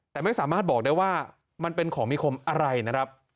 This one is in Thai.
แต่ไม่สามารถบอกได้ว่ามันเป็นของมีคมอะไรนะครับ